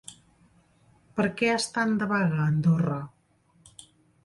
Per què estan de vaga a Andorra?